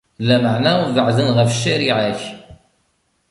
Lameɛna beɛɛden ɣef ccariɛa-k.